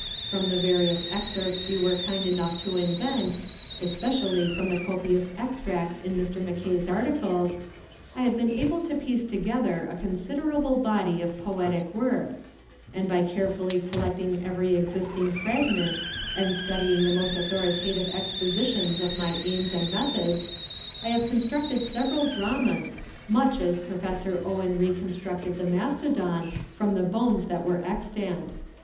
From the various excerpts you were kind enough to invent, especially from the copious extracts in Mr. Mackay's articles, I have been able to piece together a considerable body of poetic work, and by carefully collecting every existing fragment, and studying the most authoritative expositions of my aims and methods, I have constructed several dramas, much as Professor Owen re constructed the mastodon from the bones that were extant.